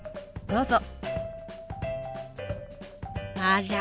どうぞ。